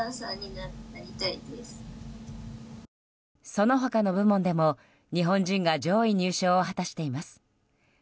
その他の部門でも、日本人が上位入賞を果たしています。